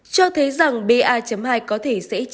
cho thấy rằng ba hai có thể sử dụng